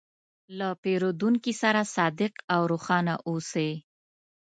له پیرودونکي سره صادق او روښانه اوسې.